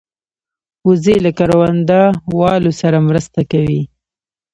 وزې له کروندهوالو سره مرسته کوي